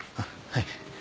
はい。